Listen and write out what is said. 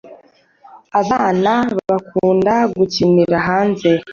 Abana bakunda gukinira hanze.